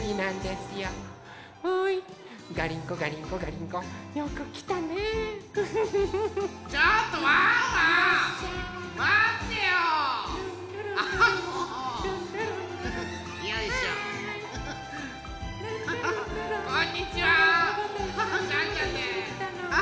こんにちは。